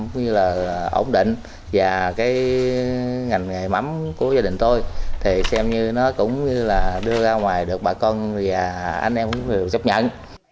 cố định và cái ngành nghề mắm của gia đình tôi thì xem như nó cũng như là đưa ra ngoài được bà con và anh em cũng chấp nhận